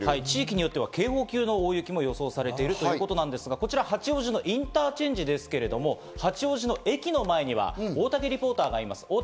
地域によっては警報級の大雪も予想されているということで、こちら八王子インターチェンジ付近ですけど、八王子の駅前には大竹リポーターがいます。